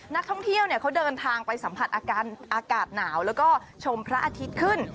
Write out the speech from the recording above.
นักท่องเที่ยวเขาเดินทางไปสัมผัสอากาศหนาวแล้วก็ชมพระอาทิตย์ขึ้น